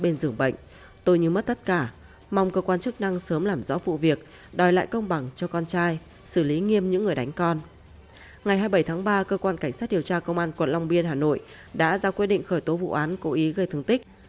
ngày hai mươi bảy tháng ba cơ quan cảnh sát điều tra công an quận long biên hà nội đã ra quyết định khởi tố vụ án cố ý gây thương tích